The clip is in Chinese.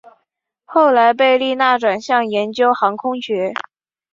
后来贝利纳转向研究航空学。